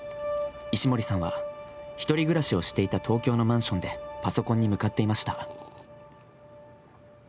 石森さんは、１人暮らしをしていた東京のマンションでパソコンに向かっていました。